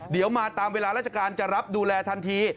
เดี๋ยวมาตามเวลาราชการจะรับดูแลทันที